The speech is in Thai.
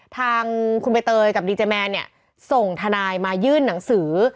ทางคุณใบเตยกับดีเจแมนเนี่ยส่งทนายมายื่นหนังสือ